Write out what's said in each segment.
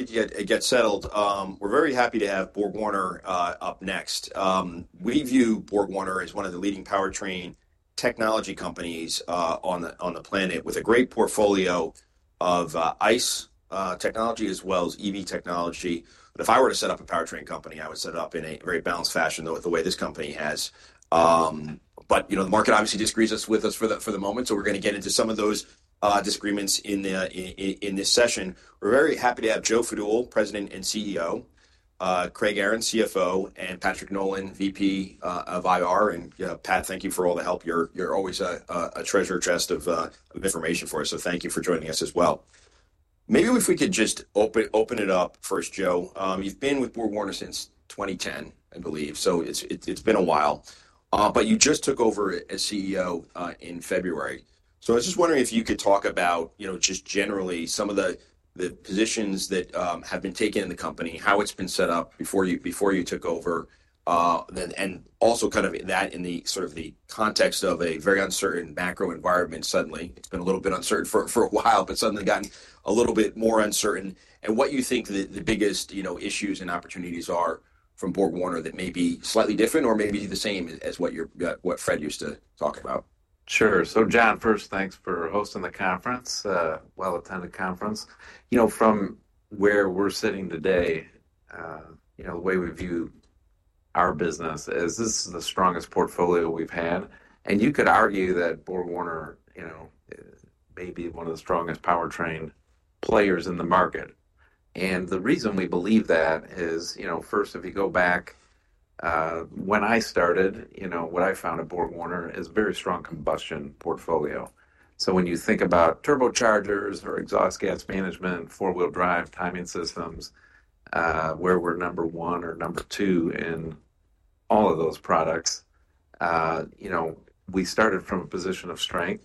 It gets settled. We're very happy to have BorgWarner up next. We view BorgWarner as one of the leading powertrain technology companies on the planet, with a great portfolio of ICE technology as well as EV technology. If I were to set up a powertrain company, I would set it up in a very balanced fashion the way this company has. The market obviously disagrees with us for the moment, so we're going to get into some of those disagreements in this session. We're very happy to have Joe Fadool, President and CEO, Craig Aaron, CFO, and Patrick Nolan, VP of IR. Pat, thank you for all the help. You're always a treasure chest of information for us, so thank you for joining us as well. Maybe if we could just open it up first, Joe. You've been with BorgWarner since 2010, I believe, so it's been a while. You just took over as CEO in February. I was just wondering if you could talk about just generally some of the positions that have been taken in the company, how it's been set up before you took over, and also kind of that in sort of the context of a very uncertain macro environment. It's been a little bit uncertain for a while, but suddenly gotten a little bit more uncertain. What you think the biggest issues and opportunities are from BorgWarner that may be slightly different or maybe the same as what Fréd used to talk about. Sure. John, first, thanks for hosting the conference, a well-attended conference. From where we're sitting today, the way we view our business is this is the strongest portfolio we've had. You could argue that BorgWarner may be one of the strongest powertrain players in the market. The reason we believe that is, first, if you go back, when I started, what I found at BorgWarner is a very strong combustion portfolio. When you think about turbochargers or exhaust gas management, four-wheel drive, timing systems, where we're number one or number two in all of those products, we started from a position of strength.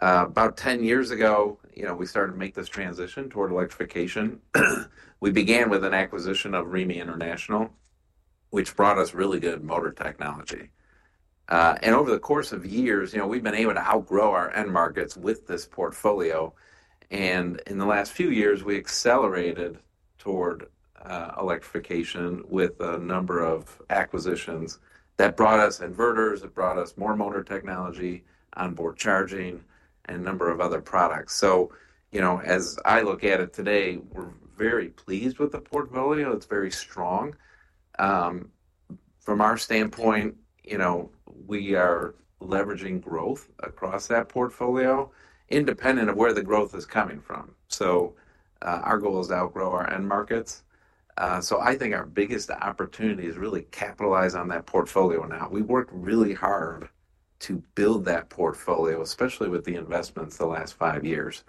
About 10 years ago, we started to make this transition toward electrification. We began with an acquisition Remy International, which brought us really good motor technology. Over the course of years, we've been able to outgrow our end markets with this portfolio. In the last few years, we accelerated toward electrification with a number of acquisitions that brought us inverters, that brought us more motor technology, onboard charging, and a number of other products. As I look at it today, we're very pleased with the portfolio. It's very strong. From our standpoint, we are leveraging growth across that portfolio, independent of where the growth is coming from. Our goal is to outgrow our end markets. I think our biggest opportunity is really capitalize on that portfolio now. We've worked really hard to build that portfolio, especially with the investments the last five years.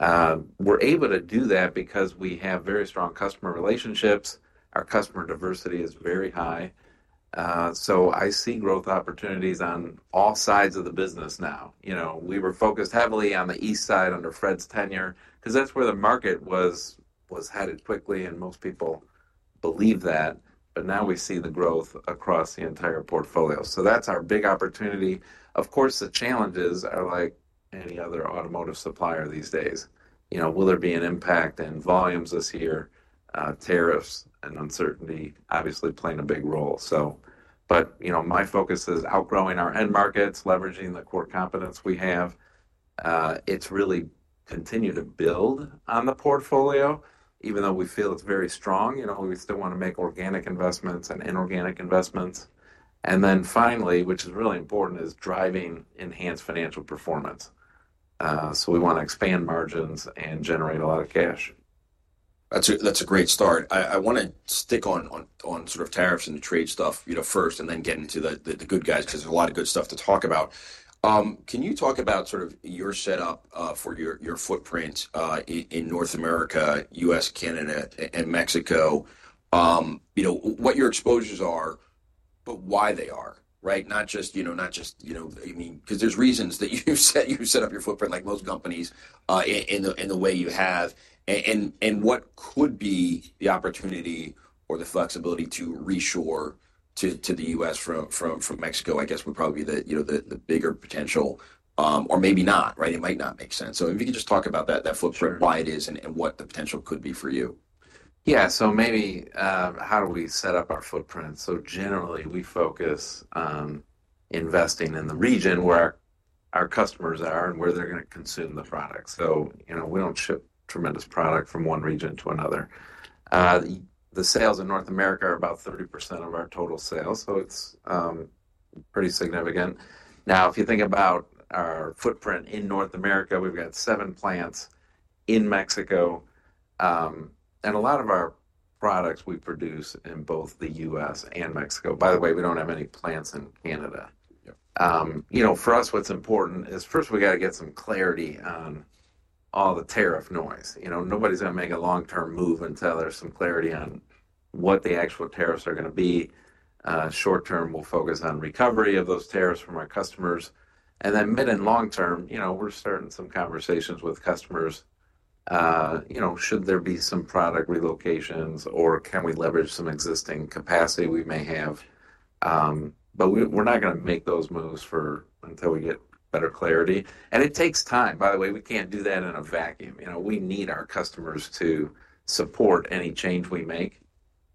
We're able to do that because we have very strong customer relationships. Our customer diversity is very high. I see growth opportunities on all sides of the business now. We were focused heavily on the east side under Fréd's tenure because that's where the market was headed quickly, and most people believe that. Now we see the growth across the entire portfolio. That's our big opportunity. Of course, the challenges are like any other automotive supplier these days. Will there be an impact in volumes this year? Tariffs and uncertainty, obviously, playing a big role. My focus is outgrowing our end markets, leveraging the core competence we have. It's really continuing to build on the portfolio, even though we feel it's very strong. We still want to make organic investments and inorganic investments. Finally, which is really important, is driving enhanced financial performance. We want to expand margins and generate a lot of cash. That's a great start. I want to stick on sort of tariffs and trade stuff first and then get into the good guys because there's a lot of good stuff to talk about. Can you talk about sort of your setup for your footprint in North America, U.S., Canada, and Mexico, what your exposures are, but why they are, right? Not just, I mean, because there's reasons that you set up your footprint like most companies in the way you have. What could be the opportunity or the flexibility to reshore to the U.S. from Mexico, I guess, would probably be the bigger potential, or maybe not, right? It might not make sense. If you could just talk about that footprint, why it is, and what the potential could be for you. Yeah. Maybe how do we set up our footprint? Generally, we focus on investing in the region where our customers are and where they're going to consume the product. We do not ship tremendous product from one region to another. The sales in North America are about 30% of our total sales, so it's pretty significant. Now, if you think about our footprint in North America, we've got seven plants in Mexico. A lot of our products we produce in both the U.S. and Mexico. By the way, we do not have any plants in Canada. For us, what's important is, first, we have to get some clarity on all the tariff noise. Nobody's going to make a long-term move until there's some clarity on what the actual tariffs are going to be. Short-term, we'll focus on recovery of those tariffs from our customers. Mid and long-term, we're starting some conversations with customers. Should there be some product relocations, or can we leverage some existing capacity we may have? We are not going to make those moves until we get better clarity. It takes time. By the way, we cannot do that in a vacuum. We need our customers to support any change we make.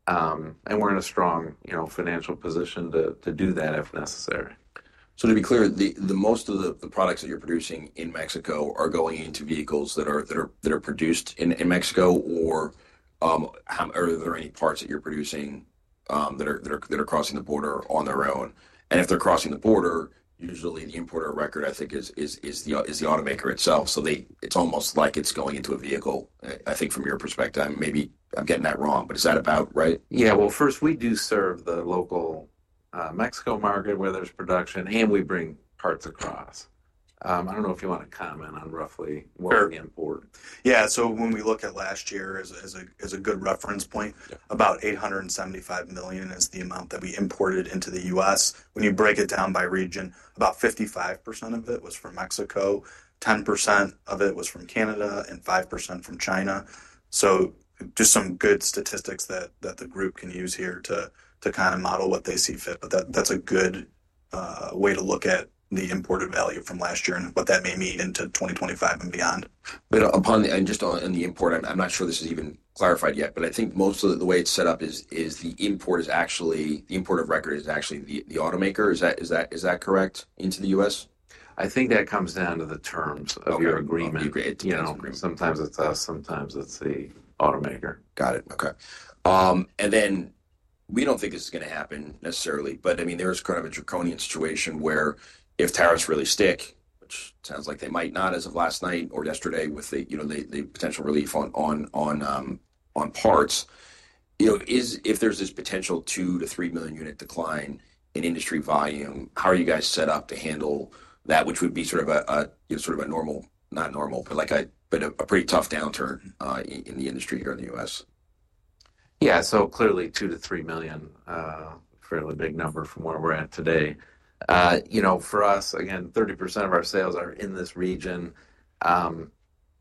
We are in a strong financial position to do that if necessary. To be clear, most of the products that you're producing in Mexico are going into vehicles that are produced in Mexico, or are there any parts that you're producing that are crossing the border on their own? If they're crossing the border, usually the importer record, I think, is the automaker itself. It's almost like it's going into a vehicle, I think, from your perspective. Maybe I'm getting that wrong, but is that about right? Yeah. First, we do serve the local Mexico market where there's production, and we bring parts across. I don't know if you want to comment on roughly what we import. Yeah. So when we look at last year as a good reference point, about $875 million is the amount that we imported into the U.S. When you break it down by region, about 55% of it was from Mexico, 10% of it was from Canada, and 5% from China. Just some good statistics that the group can use here to kind of model what they see fit. That's a good way to look at the imported value from last year and what that may mean into 2025 and beyond. Just on the import, I'm not sure this is even clarified yet, but I think most of the way it's set up is the import is actually the import of record is actually the automaker. Is that correct into the U.S.? I think that comes down to the terms of your agreement. Sometimes it's us, sometimes it's the automaker. Got it. Okay. I mean, there is kind of a draconian situation where if tariffs really stick, which sounds like they might not as of last night or yesterday with the potential relief on parts, if there is this potential 2 million-3 million unit decline in industry volume, how are you guys set up to handle that, which would be sort of a, not normal, but a pretty tough downturn in the industry here in the U.S.? Yeah. Clearly, 2 million-3 million, fairly big number from where we're at today. For us, again, 30% of our sales are in this region.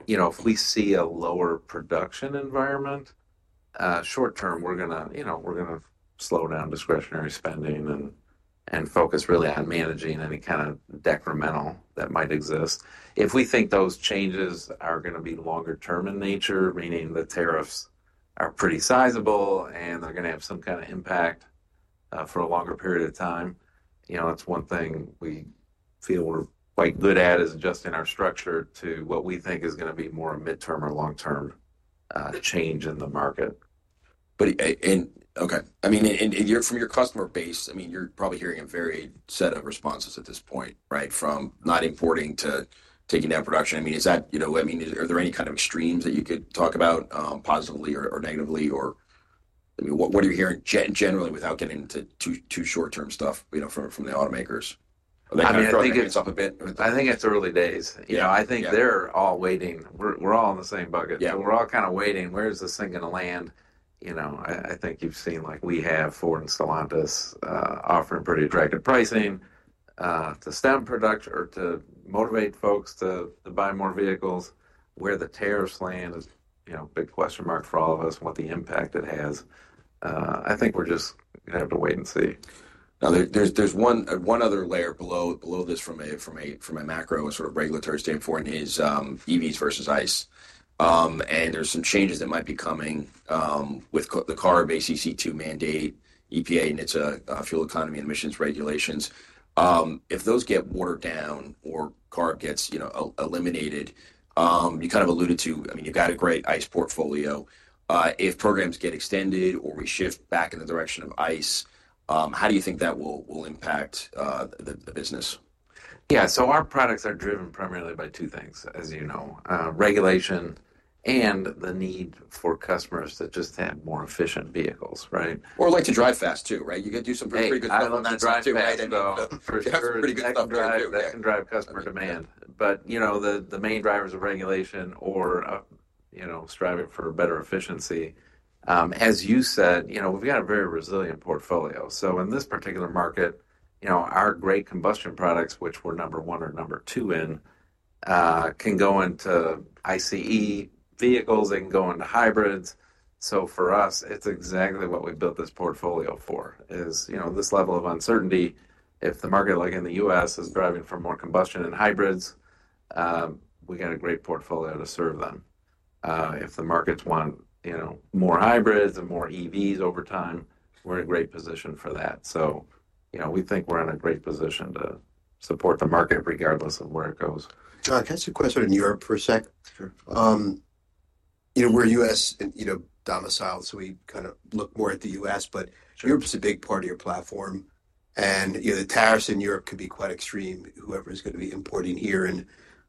If we see a lower production environment, short-term, we're going to slow down discretionary spending and focus really on managing any kind of detrimental that might exist. If we think those changes are going to be longer-term in nature, meaning the tariffs are pretty sizable and they're going to have some kind of impact for a longer period of time, that's one thing we feel we're quite good at is adjusting our structure to what we think is going to be more a midterm or long-term change in the market. Okay. I mean, from your customer base, I mean, you're probably hearing a varied set of responses at this point, right, from not importing to taking down production. I mean, is that, I mean, are there any kind of extremes that you could talk about positively or negatively? Or, I mean, what are you hearing generally without getting into too short-term stuff from the automakers? Are they kind of throwing themselves a bit? I think it's early days. I think they're all waiting. We're all in the same bucket. So we're all kind of waiting, where's this thing going to land? I think you've seen like we have Ford and Stellantis offering pretty attractive pricing to stem production or to motivate folks to buy more vehicles. Where the tariffs land is a big question mark for all of us and what the impact it has. I think we're just going to have to wait and see. Now, there's one other layer below this from a macro sort of regulatory standpoint is EVs versus ICE. There's some changes that might be coming with the CARB ACC2 mandate, EPA, and its fuel economy and emissions regulations. If those get watered down or CARB gets eliminated, you kind of alluded to, I mean, you've got a great ICE portfolio. If programs get extended or we shift back in the direction of ICE, how do you think that will impact the business? Yeah. Our products are driven primarily by two things, as you know, regulation and the need for customers that just have more efficient vehicles, right? Or like to drive fast too, right? You can do some pretty good stuff on that drive too. That can drive customer demand. The main drivers of regulation or striving for better efficiency, as you said, we've got a very resilient portfolio. In this particular market, our great combustion products, which we're number one or number two in, can go into ICE vehicles. They can go into hybrids. For us, it's exactly what we built this portfolio for, is this level of uncertainty. If the market, like in the U.S., is driving for more combustion and hybrids, we got a great portfolio to serve them. If the markets want more hybrids and more EVs over time, we're in a great position for that. We think we're in a great position to support the market regardless of where it goes. John, can I ask you a question in Europe for a sec? We're U.S. domiciled, so we kind of look more at the U.S., but Europe is a big part of your platform. The tariffs in Europe could be quite extreme. Whoever is going to be importing here,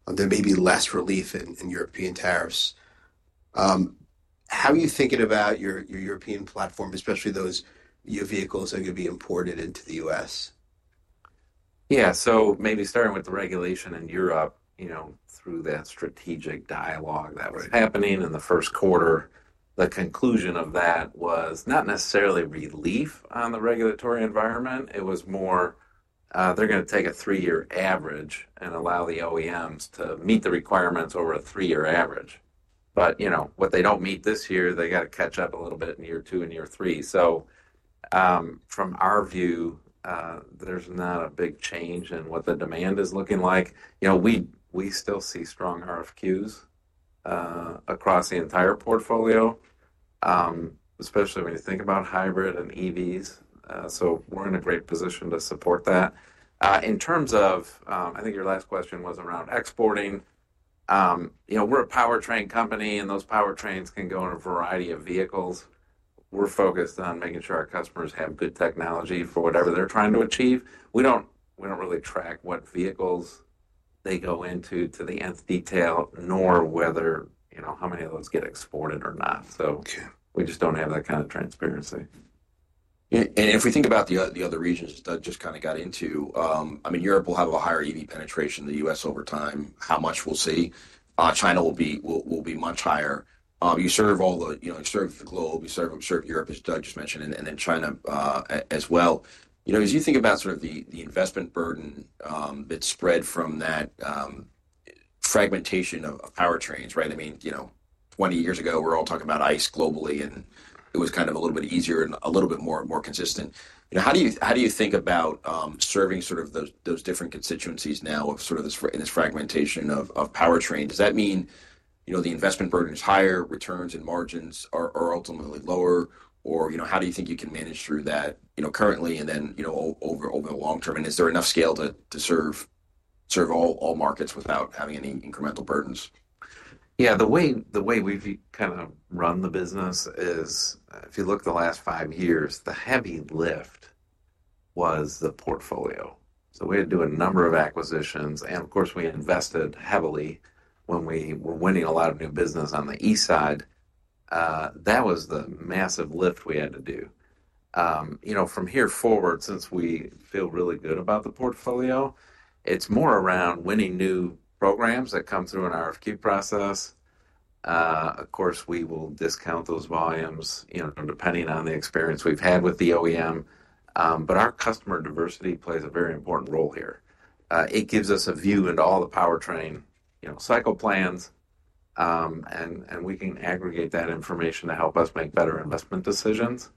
there may be less relief in European tariffs. How are you thinking about your European platform, especially those vehicles that are going to be imported into the U.S.? Yeah. Maybe starting with the regulation in Europe through that strategic dialogue that was happening in the first quarter, the conclusion of that was not necessarily relief on the regulatory environment. It was more they're going to take a three-year average and allow the OEMs to meet the requirements over a three-year average. What they do not meet this year, they have to catch up a little bit in year two and year three. From our view, there's not a big change in what the demand is looking like. We still see strong RFQs across the entire portfolio, especially when you think about hybrid and EVs. We're in a great position to support that. In terms of, I think your last question was around exporting. We're a powertrain company, and those powertrains can go in a variety of vehicles. We're focused on making sure our customers have good technology for whatever they're trying to achieve. We don't really track what vehicles they go into to the nth detail, nor how many of those get exported or not. We just don't have that kind of transparency. If we think about the other regions that just kind of got into, I mean, Europe will have a higher EV penetration than the U.S. over time. How much we'll see. China will be much higher. You serve all the—you serve the globe. You serve Europe, as Doug just mentioned, and then China as well. As you think about sort of the investment burden that's spread from that fragmentation of powertrains, right? I mean, 20 years ago, we're all talking about ICE globally, and it was kind of a little bit easier and a little bit more consistent. How do you think about serving sort of those different constituencies now in this fragmentation of powertrains? Does that mean the investment burden is higher, returns and margins are ultimately lower, or how do you think you can manage through that currently and then over the long term? Is there enough scale to serve all markets without having any incremental burdens? Yeah. The way we've kind of run the business is, if you look at the last five years, the heavy lift was the portfolio. We had to do a number of acquisitions. Of course, we invested heavily when we were winning a lot of new business on the east side. That was the massive lift we had to do. From here forward, since we feel really good about the portfolio, it's more around winning new programs that come through an RFQ process. Of course, we will discount those volumes depending on the experience we've had with the OEM. Our customer diversity plays a very important role here. It gives us a view into all the powertrain cycle plans, and we can aggregate that information to help us make better investment decisions.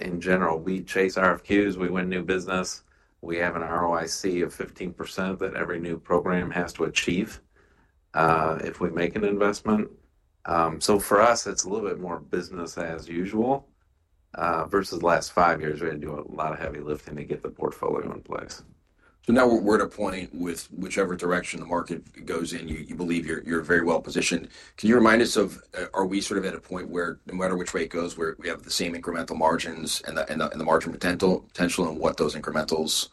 In general, we chase RFQs. We win new business. We have an ROIC of 15% that every new program has to achieve if we make an investment. For us, it's a little bit more business as usual versus the last five years. We had to do a lot of heavy lifting to get the portfolio in place. Now we're at a point with whichever direction the market goes in, you believe you're very well positioned. Can you remind us of, are we sort of at a point where, no matter which way it goes, we have the same incremental margins and the margin potential and what those incrementals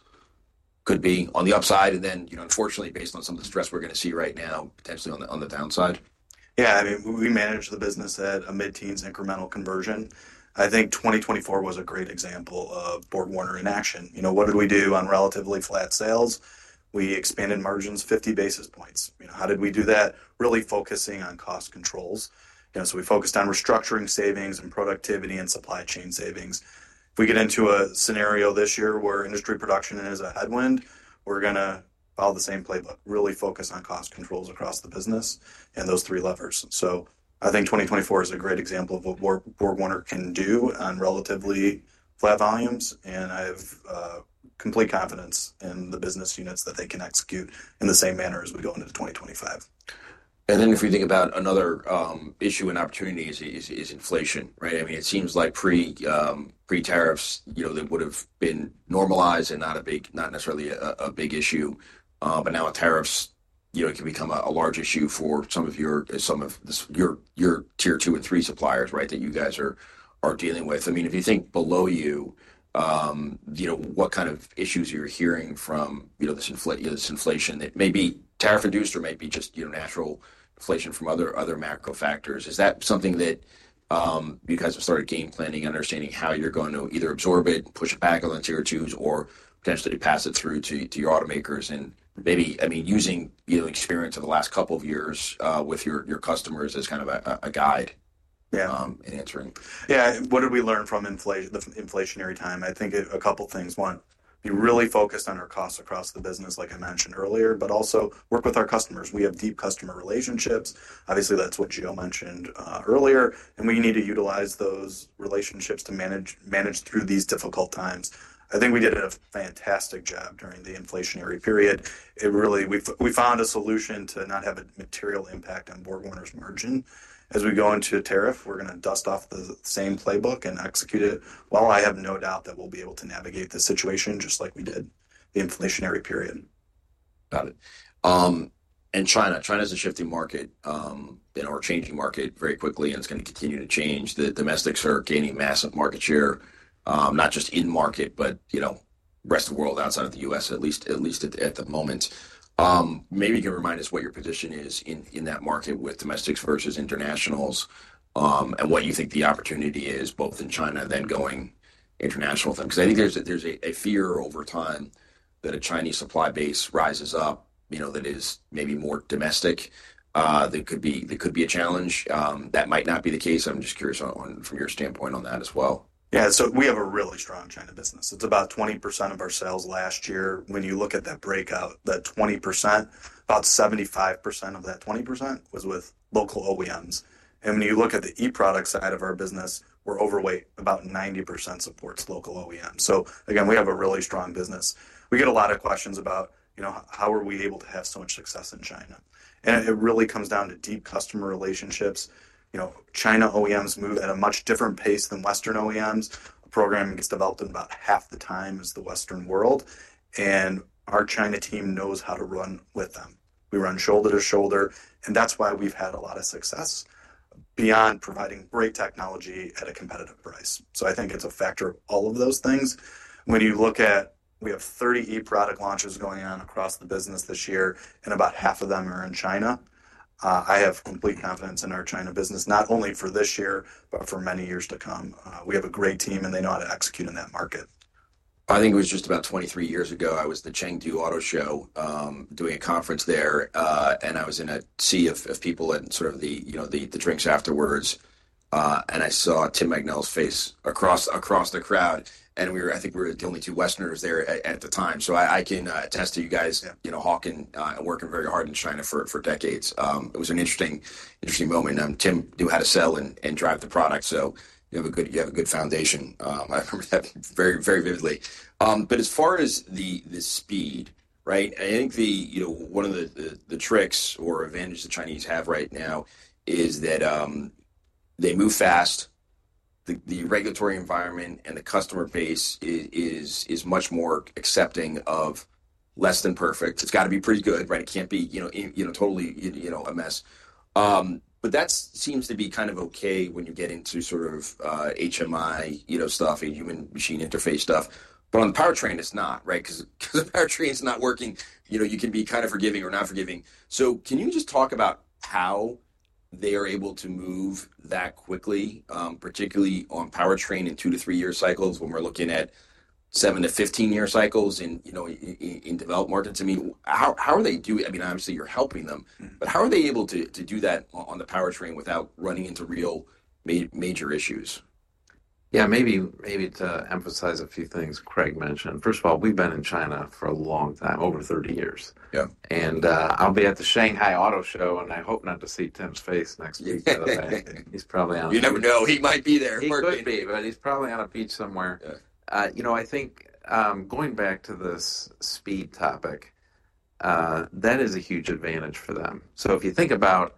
could be on the upside? Unfortunately, based on some of the stress we're going to see right now, potentially on the downside? Yeah. I mean, we manage the business at a mid-teens incremental conversion. I think 2024 was a great example of BorgWarner in action. What did we do on relatively flat sales? We expanded margins 50 basis points. How did we do that? Really focusing on cost controls. So we focused on restructuring savings and productivity and supply chain savings. If we get into a scenario this year where industry production is a headwind, we're going to follow the same playbook, really focus on cost controls across the business and those three levers. I think 2024 is a great example of what BorgWarner can do on relatively flat volumes. And I have complete confidence in the business units that they can execute in the same manner as we go into 2025. If we think about another issue and opportunity, it is inflation, right? I mean, it seems like pre-tariffs, they would have been normalized and not necessarily a big issue. Now with tariffs, it can become a large issue for some of your tier two and three suppliers, right, that you guys are dealing with. I mean, if you think below you, what kind of issues are you hearing from this inflation? It may be tariff-induced or maybe just natural inflation from other macro factors. Is that something that you guys have started game planning, understanding how you are going to either absorb it, push it back on the tier twos, or potentially pass it through to your automakers? Maybe, I mean, using the experience of the last couple of years with your customers as kind of a guide in answering. Yeah. What did we learn from the inflationary time? I think a couple of things. One, be really focused on our costs across the business, like I mentioned earlier, but also work with our customers. We have deep customer relationships. Obviously, that's what Jill mentioned earlier. We need to utilize those relationships to manage through these difficult times. I think we did a fantastic job during the inflationary period. We found a solution to not have a material impact on BorgWarner's margin. As we go into tariff, we're going to dust off the same playbook and execute it. I have no doubt that we'll be able to navigate the situation just like we did the inflationary period. Got it. China is a shifting market or changing market very quickly and is going to continue to change. The domestics are gaining massive market share, not just in market, but the rest of the world outside of the U.S., at least at the moment. Maybe you can remind us what your position is in that market with domestics versus internationals and what you think the opportunity is both in China then going international. Because I think there's a fear over time that a Chinese supply base rises up that is maybe more domestic that could be a challenge. That might not be the case. I'm just curious from your standpoint on that as well. Yeah. We have a really strong China business. It's about 20% of our sales last year. When you look at that breakout, that 20%, about 75% of that 20% was with local OEMs. When you look at the e-product side of our business, we're overweight, about 90% supports local OEMs. We have a really strong business. We get a lot of questions about how are we able to have so much success in China? It really comes down to deep customer relationships. China OEMs move at a much different pace than Western OEMs. A program gets developed in about half the time as the Western world. Our China team knows how to run with them. We run shoulder to shoulder. That's why we've had a lot of success beyond providing great technology at a competitive price. I think it's a factor of all of those things. When you look at, we have 30 e-product launches going on across the business this year, and about half of them are in China. I have complete confidence in our China business, not only for this year, but for many years to come. We have a great team, and they know how to execute in that market. I think it was just about 23 years ago. I was at the Chengdu Auto Show doing a conference there, and I was in a sea of people and sort of the drinks afterwards. I saw [Tim Manganello's] face across the crowd. I think we were the only two Westerners there at the time. I can attest to you guys hawking and working very hard in China for decades. It was an interesting moment. Tim knew how to sell and drive the product. You have a good foundation. I remember that very vividly. As far as the speed, right, I think one of the tricks or advantages the Chinese have right now is that they move fast. The regulatory environment and the customer base is much more accepting of less than perfect. It's got to be pretty good, right? It can't be totally a mess. That seems to be kind of okay when you get into sort of HMI stuff and human-machine interface stuff. On the powertrain, it's not, right? Because the powertrain's not working. You can be kind of forgiving or not forgiving. Can you just talk about how they are able to move that quickly, particularly on powertrain in two to three-year cycles when we're looking at seven to 15-year cycles in developed markets? I mean, how are they doing? I mean, obviously, you're helping them. How are they able to do that on the powertrain without running into real major issues? Yeah. Maybe to emphasize a few things Craig mentioned. First of all, we've been in China for a long time, over 30 years. And I'll be at the Shanghai Auto Show, and I hope not to see Tim's face next week. He's probably on a beach. You never know. He might be there. He could be, but he's probably on a beach somewhere. I think going back to this speed topic, that is a huge advantage for them. If you think about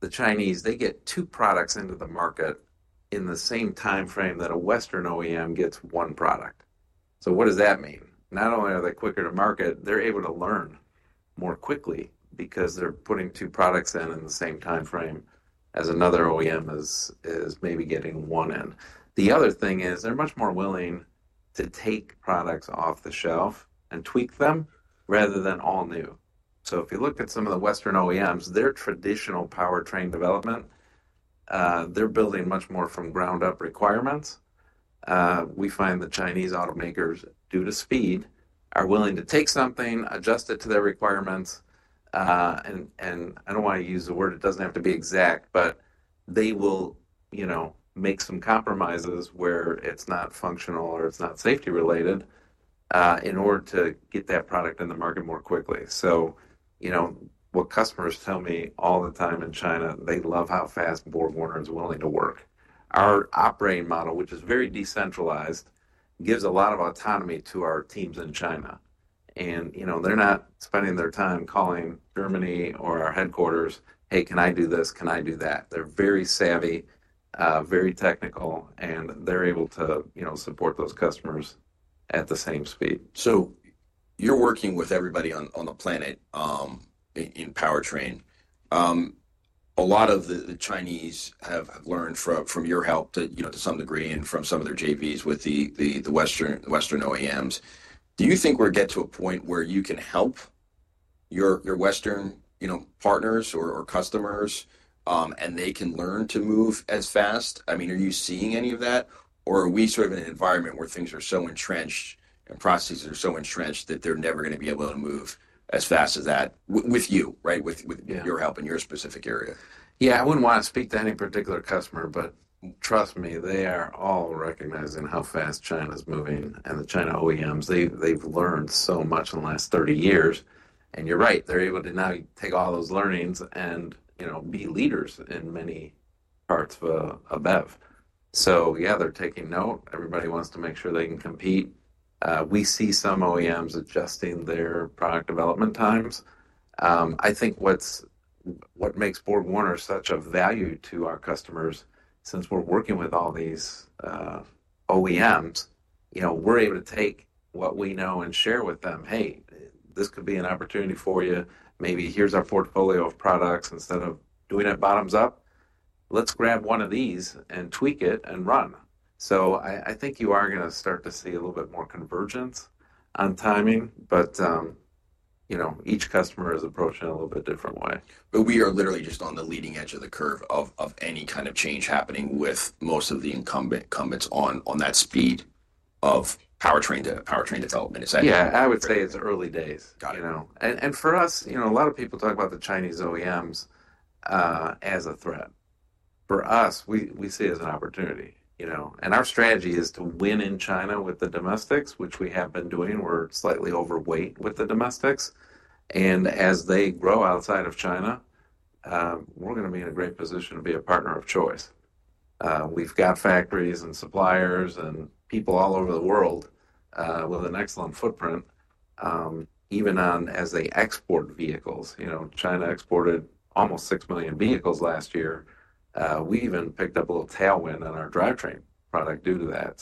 the Chinese, they get two products into the market in the same timeframe that a Western OEM gets one product. What does that mean? Not only are they quicker to market, they're able to learn more quickly because they're putting two products in in the same timeframe as another OEM is maybe getting one in. The other thing is they're much more willing to take products off the shelf and tweak them rather than all new. If you look at some of the Western OEMs, their traditional powertrain development, they're building much more from ground-up requirements. We find the Chinese automakers, due to speed, are willing to take something, adjust it to their requirements. I do not want to use the word, it does not have to be exact, but they will make some compromises where it is not functional or it is not safety-related in order to get that product in the market more quickly. What customers tell me all the time in China, they love how fast BorgWarner is willing to work. Our operating model, which is very decentralized, gives a lot of autonomy to our teams in China. They are not spending their time calling Germany or our headquarters, "Hey, can I do this? Can I do that?" They are very savvy, very technical, and they are able to support those customers at the same speed. You're working with everybody on the planet in powertrain. A lot of the Chinese have learned from your help to some degree and from some of their JVs with the Western OEMs. Do you think we're going to get to a point where you can help your Western partners or customers and they can learn to move as fast? I mean, are you seeing any of that? Or are we sort of in an environment where things are so entrenched and processes are so entrenched that they're never going to be able to move as fast as that with you, right, with your help in your specific area? Yeah. I wouldn't want to speak to any particular customer, but trust me, they are all recognizing how fast China's moving and the China OEMs. They've learned so much in the last 30 years. You're right. They're able to now take all those learnings and be leaders in many parts of BEV. Yeah, they're taking note. Everybody wants to make sure they can compete. We see some OEMs adjusting their product development times. I think what makes BorgWarner such a value to our customers, since we're working with all these OEMs, we're able to take what we know and share with them, "Hey, this could be an opportunity for you. Maybe here's our portfolio of products. Instead of doing it bottoms up, let's grab one of these and tweak it and run. I think you are going to start to see a little bit more convergence on timing, but each customer is approaching it a little bit different way. We are literally just on the leading edge of the curve of any kind of change happening with most of the incumbents on that speed of powertrain development, is that? Yeah. I would say it's early days. For us, a lot of people talk about the Chinese OEMs as a threat. For us, we see it as an opportunity. Our strategy is to win in China with the domestics, which we have been doing. We're slightly overweight with the domestics. As they grow outside of China, we're going to be in a great position to be a partner of choice. We've got factories and suppliers and people all over the world with an excellent footprint, even as they export vehicles. China exported almost 6 million vehicles last year. We even picked up a little tailwind on our drivetrain product due to that.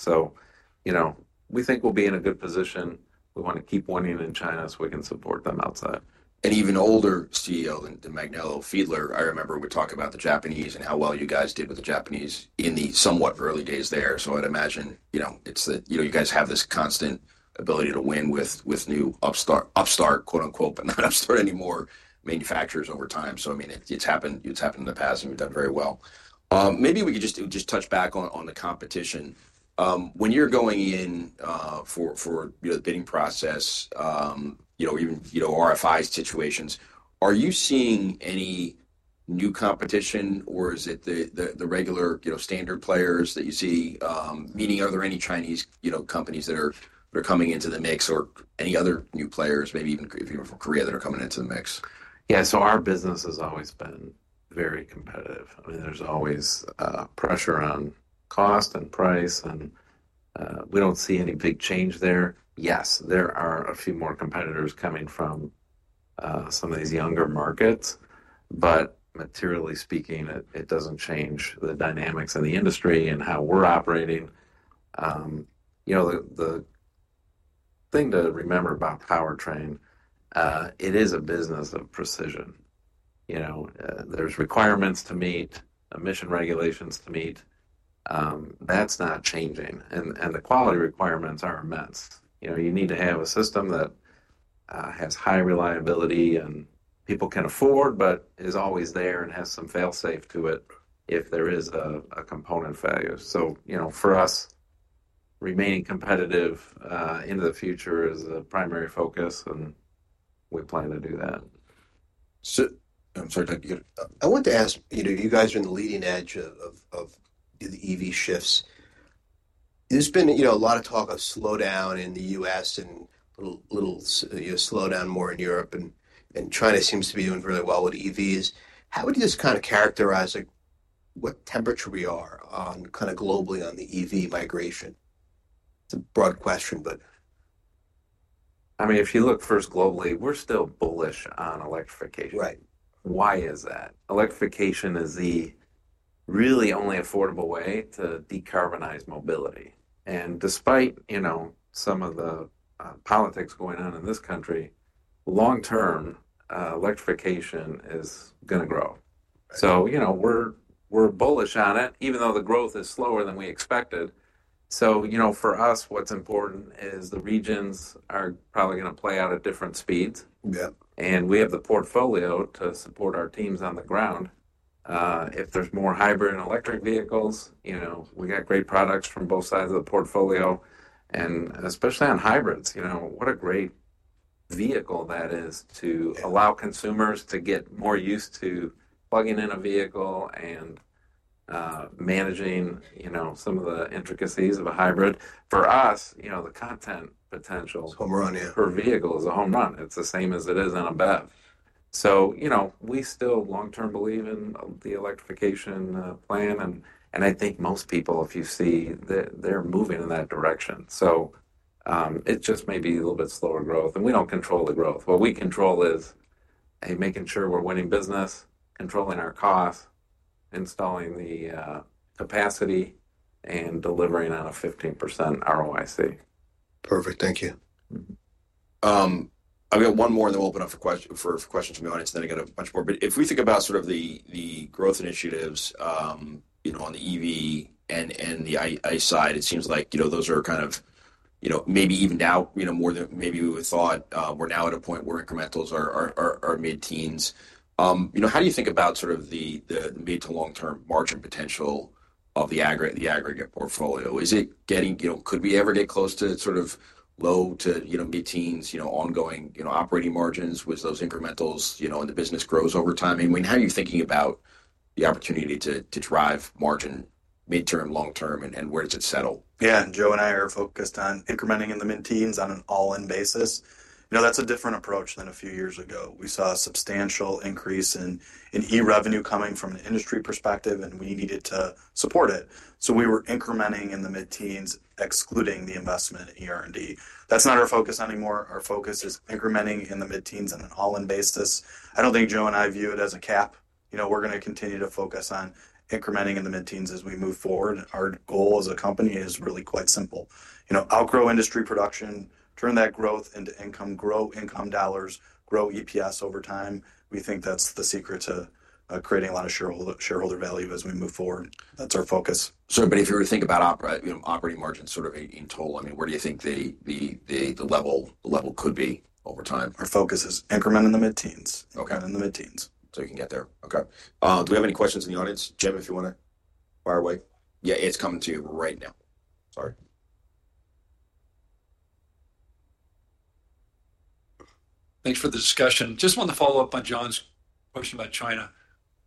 We think we'll be in a good position. We want to keep winning in China so we can support them outside. An even older CEO than Manganello, Fiedler, I remember would talk about the Japanese and how well you guys did with the Japanese in the somewhat early days there. I imagine you guys have this constant ability to win with new "upstart" but not upstart anymore, manufacturers over time. I mean, it has happened in the past, and we have done very well. Maybe we could just touch back on the competition. When you are going in for the bidding process, even RFI situations, are you seeing any new competition, or is it the regular standard players that you see? Meaning, are there any Chinese companies that are coming into the mix or any other new players, maybe even from Korea that are coming into the mix? Yeah. So our business has always been very competitive. I mean, there's always pressure on cost and price, and we don't see any big change there. Yes, there are a few more competitors coming from some of these younger markets, but materially speaking, it doesn't change the dynamics of the industry and how we're operating. The thing to remember about powertrain, it is a business of precision. There's requirements to meet, emission regulations to meet. That's not changing. And the quality requirements are immense. You need to have a system that has high reliability and people can afford, but is always there and has some fail-safe to it if there is a component failure. So for us, remaining competitive into the future is a primary focus, and we plan to do that. I'm sorry to interrupt. I wanted to ask, you guys are in the leading edge of the EV shifts. There's been a lot of talk of slowdown in the U.S. and a little slowdown more in Europe. China seems to be doing really well with EVs. How would you just kind of characterize what temperature we are kind of globally on the EV migration? It's a broad question, but. I mean, if you look first globally, we're still bullish on electrification. Why is that? Electrification is really the only affordable way to decarbonize mobility. And despite some of the politics going on in this country, long-term, electrification is going to grow. We're bullish on it, even though the growth is slower than we expected. For us, what's important is the regions are probably going to play out at different speeds. We have the portfolio to support our teams on the ground. If there's more hybrid and electric vehicles, we got great products from both sides of the portfolio. Especially on hybrids, what a great vehicle that is to allow consumers to get more used to plugging in a vehicle and managing some of the intricacies of a hybrid. For us, the content potential for vehicles is a home run. It's the same as it is on a BEV. We still long-term believe in the electrification plan. I think most people, if you see, they're moving in that direction. It just may be a little bit slower growth. We don't control the growth. What we control is making sure we're winning business, controlling our costs, installing the capacity, and delivering on a 15% ROIC. Perfect. Thank you. I've got one more, and then we'll open up for questions from the audience, and then I get a bunch more. If we think about sort of the growth initiatives on the EV and the ICE side, it seems like those are kind of maybe even now more than maybe we would have thought. We're now at a point where incrementals are mid-teens. How do you think about sort of the mid to long-term margin potential of the aggregate portfolio? Is it getting—could we ever get close to sort of low to mid-teens, ongoing operating margins with those incrementals and the business grows over time? I mean, how are you thinking about the opportunity to drive margin mid-term, long-term, and where does it settle? Yeah. Joe and I are focused on incrementing in the mid-teens on an all-in basis. That's a different approach than a few years ago. We saw a substantial increase in e-revenue coming from an industry perspective, and we needed to support it. We were incrementing in the mid-teens, excluding the investment in ER&D. That's not our focus anymore. Our focus is incrementing in the mid-teens on an all-in basis. I don't think Joe and I view it as a cap. We're going to continue to focus on incrementing in the mid-teens as we move forward. Our goal as a company is really quite simple. Outgrow industry production, turn that growth into income, grow income dollars, grow EPS over time. We think that's the secret to creating a lot of shareholder value as we move forward. That's our focus. Sure. If you were to think about operating margins sort of in total, I mean, where do you think the level could be over time? Our focus is increment in the mid-teens. Okay. Increment in the mid-teens. You can get there. Okay. Do we have any questions in the audience? Jim, if you want to fire away. Yeah. It's coming to you right now. Sorry. Thanks for the discussion. Just wanted to follow up on John's question about China.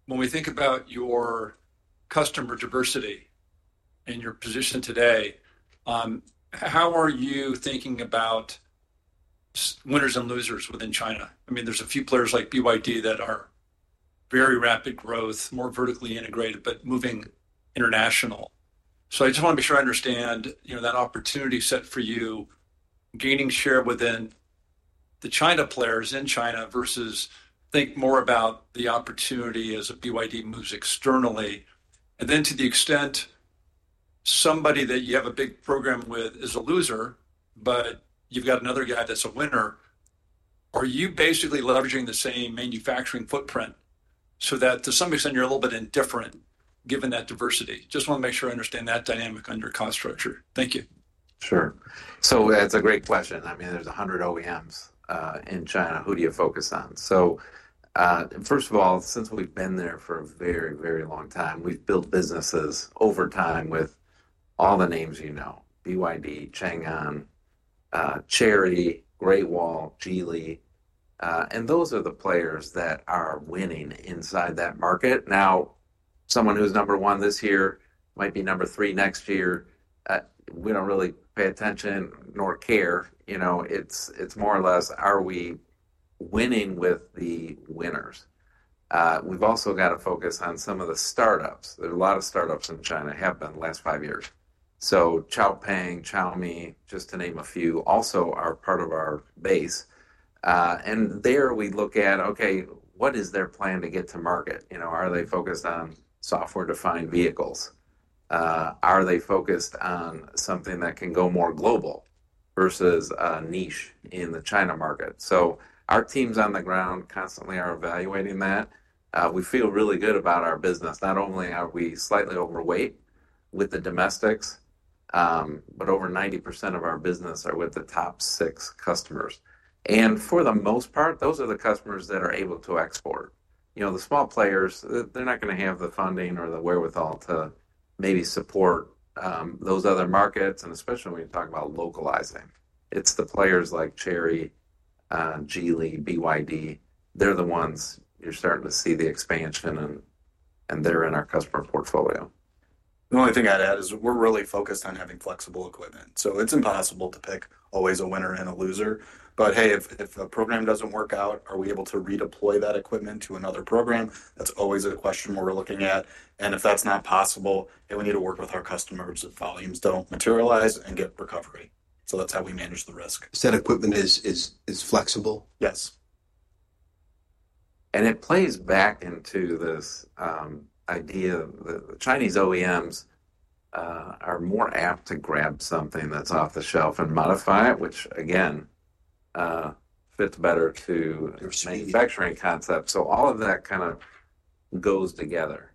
When we think about your customer diversity and your position today, how are you thinking about winners and losers within China? I mean, there's a few players like BYD that are very rapid growth, more vertically integrated, but moving international. I just want to make sure I understand that opportunity set for you, gaining share within the China players in China versus think more about the opportunity as BYD moves externally. To the extent somebody that you have a big program with is a loser, but you've got another guy that's a winner, are you basically leveraging the same manufacturing footprint so that to some extent you're a little bit indifferent given that diversity? Just want to make sure I understand that dynamic on your cost structure. Thank you. Sure. That's a great question. I mean, there's 100 OEMs in China. Who do you focus on? First of all, since we've been there for a very, very long time, we've built businesses over time with all the names you know: BYD, Changan, Chery, Great Wall, Geely. Those are the players that are winning inside that market. Now, someone who's number one this year might be number three next year. We don't really pay attention nor care. It's more or less, are we winning with the winners? We've also got to focus on some of the startups. There are a lot of startups in China have been the last five years. So Xiaopeng, Xiaomi, just to name a few, also are part of our base. There we look at, okay, what is their plan to get to market? Are they focused on software-defined vehicles? Are they focused on something that can go more global versus a niche in the China market? Our teams on the ground constantly are evaluating that. We feel really good about our business. Not only are we slightly overweight with the domestics, but over 90% of our business are with the top six customers. For the most part, those are the customers that are able to export. The small players, they're not going to have the funding or the wherewithal to maybe support those other markets, and especially when you talk about localizing. It's the players like Chery, Geely, BYD. They're the ones you're starting to see the expansion, and they're in our customer portfolio. The only thing I'd add is we're really focused on having flexible equipment. It is impossible to pick always a winner and a loser. Hey, if a program doesn't work out, are we able to redeploy that equipment to another program? That is always a question we're looking at. If that's not possible, then we need to work with our customers if volumes don't materialize and get recovery. That is how we manage the risk. You said equipment is flexible? Yes. It plays back into this idea that the Chinese OEMs are more apt to grab something that's off the shelf and modify it, which again, fits better to the manufacturing concept. All of that kind of goes together.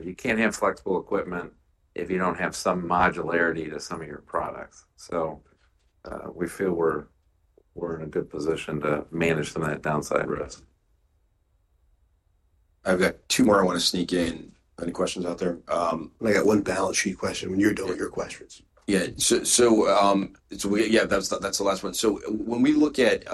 You can't have flexible equipment if you don't have some modularity to some of your products. We feel we're in a good position to manage some of that downside risk. I've got two more I want to sneak in. Any questions out there? I got one balance sheet question. When you're done with your questions. Yeah. So yeah, that's the last one. When we look at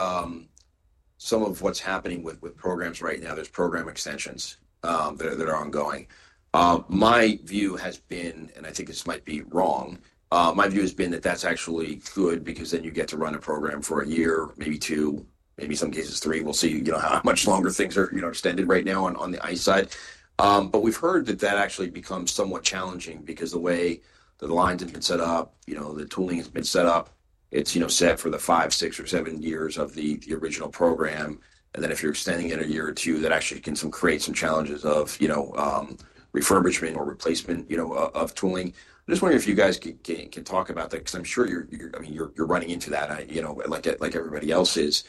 some of what's happening with programs right now, there's program extensions that are ongoing. My view has been, and I think this might be wrong, my view has been that that's actually good because then you get to run a program for a year, maybe two, maybe in some cases three. We'll see how much longer things are extended right now on the ICE side. We've heard that that actually becomes somewhat challenging because the way the lines have been set up, the tooling has been set up, it's set for the five, six, or seven years of the original program. If you're extending it a year or two, that actually can create some challenges of refurbishment or replacement of tooling. I just wonder if you guys can talk about that because I'm sure you're running into that like everybody else is.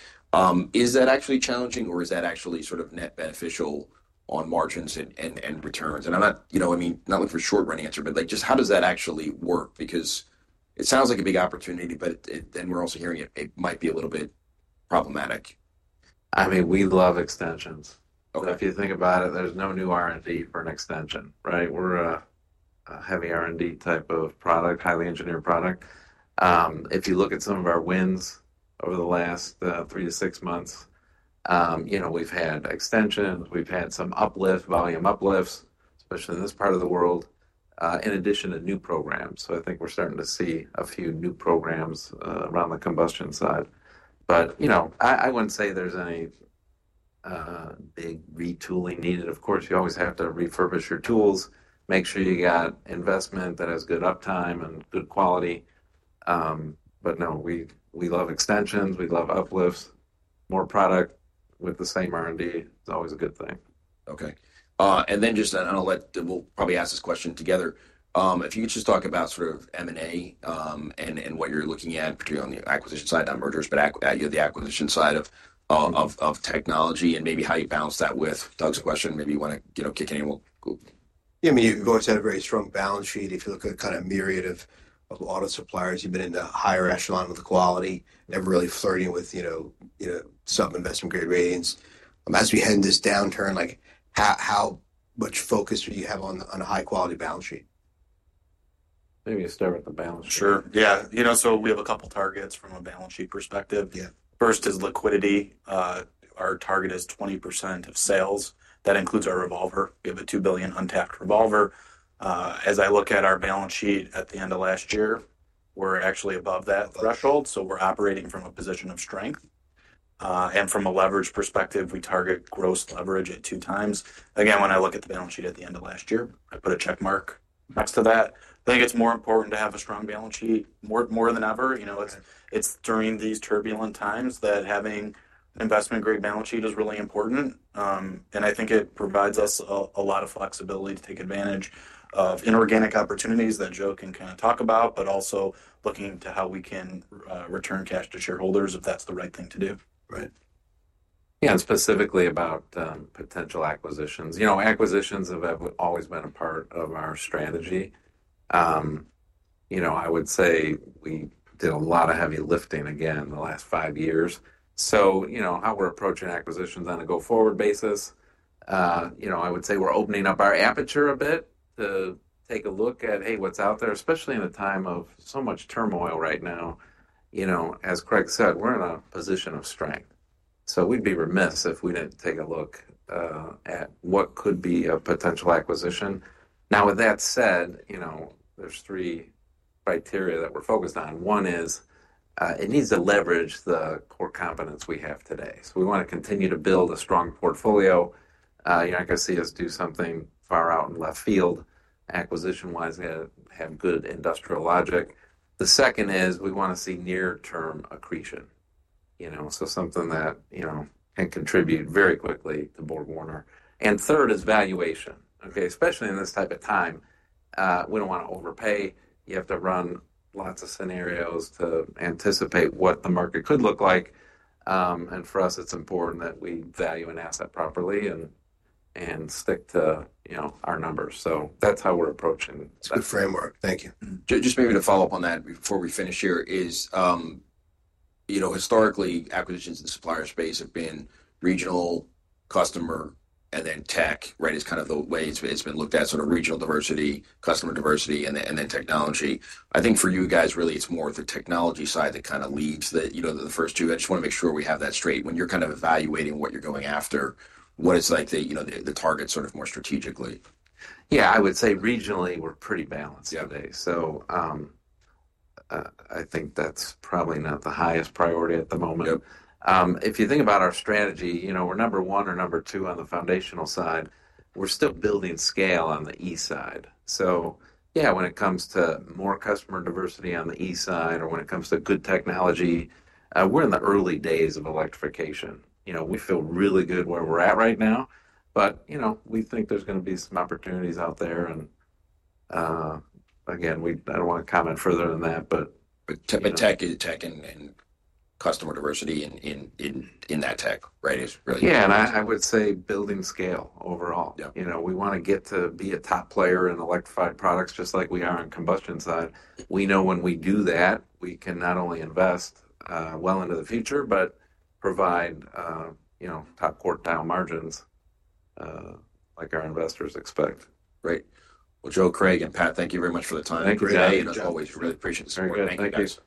Is that actually challenging, or is that actually sort of net beneficial on margins and returns? I mean, not looking for a short-run answer, but just how does that actually work? Because it sounds like a big opportunity, but then we're also hearing it might be a little bit problematic. I mean, we love extensions. If you think about it, there's no new R&D for an extension, right? We're a heavy R&D type of product, highly engineered product. If you look at some of our wins over the last three to six months, we've had extensions. We've had some volume uplifts, especially in this part of the world, in addition to new programs. I think we're starting to see a few new programs around the combustion side. I wouldn't say there's any big retooling needed. Of course, you always have to refurbish your tools, make sure you got investment that has good uptime and good quality. No, we love extensions. We love uplifts. More product with the same R&D is always a good thing. Okay. Just we'll probably ask this question together. If you could just talk about sort of M&A and what you're looking at, particularly on the acquisition side, not mergers, but the acquisition side of technology and maybe how you balance that with Doug's question. Maybe you want to kick anyone? Yeah. I mean, you've always had a very strong balance sheet. If you look at kind of a myriad of auto suppliers, you've been in the higher echelon of the quality, never really flirting with sub-investment grade ratings. As we head into this downturn, how much focus do you have on a high-quality balance sheet? Maybe you start with the balance sheet. Sure. Yeah. We have a couple of targets from a balance sheet perspective. First is liquidity. Our target is 20% of sales. That includes our revolver. We have a $2 billion untapped revolver. As I look at our balance sheet at the end of last year, we're actually above that threshold. We're operating from a position of strength. From a leverage perspective, we target gross leverage at 2x. Again, when I look at the balance sheet at the end of last year, I put a check mark next to that. I think it's more important to have a strong balance sheet more than ever. It's during these turbulent times that having an investment-grade balance sheet is really important. I think it provides us a lot of flexibility to take advantage of inorganic opportunities that Joe can kind of talk about, but also looking to how we can return cash to shareholders if that's the right thing to do. Right. Yeah. Specifically about potential acquisitions. Acquisitions have always been a part of our strategy. I would say we did a lot of heavy lifting again in the last five years. How we're approaching acquisitions on a go-forward basis, I would say we're opening up our aperture a bit to take a look at, hey, what's out there, especially in a time of so much turmoil right now. As Craig said, we're in a position of strength. We'd be remiss if we didn't take a look at what could be a potential acquisition. Now, with that said, there are three criteria that we're focused on. One is it needs to leverage the core competence we have today. We want to continue to build a strong portfolio. You're not going to see us do something far out in left field. Acquisition-wise, we have good industrial logic. The second is we want to see near-term accretion, so something that can contribute very quickly to BorgWarner. Third is valuation, okay? Especially in this type of time, we don't want to overpay. You have to run lots of scenarios to anticipate what the market could look like. For us, it's important that we value an asset properly and stick to our numbers. That's how we're approaching that. Good the framework. Thank you. Just maybe to follow up on that before we finish here is historically, acquisitions in the supplier space have been regional, customer, and then tech, right? It's kind of the way it's been looked at, sort of regional diversity, customer diversity, and then technology. I think for you guys, really, it's more of the technology side that kind of leads the first two. I just want to make sure we have that straight. When you're kind of evaluating what you're going after, what it's like to target sort of more strategically. Yeah. I would say regionally, we're pretty balanced today. I think that's probably not the highest priority at the moment. If you think about our strategy, we're number one or number two on the foundational side. We're still building scale on the east side. Yeah, when it comes to more customer diversity on the east side or when it comes to good technology, we're in the early days of electrification. We feel really good where we're at right now. We think there's going to be some opportunities out there. Again, I don't want to comment further than that. Tech and customer diversity in that tech, right, is really. Yeah. I would say building scale overall. We want to get to be a top player in electrified products just like we are in combustion side. We know when we do that, we can not only invest well into the future, but provide top quartile margins like our investors expect. Great. Joe, Craig, and Pat, thank you very much for the time today. Thank you, John. As always, really appreciate it. Thank you.